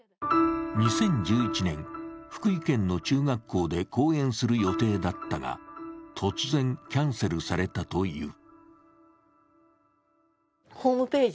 ２０１１年、福井県の中学校で講演する予定だったが、突然キャンセルされたという。